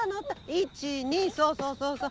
１２そうそうそうそう。